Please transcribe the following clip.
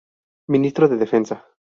Ministro de Defensa.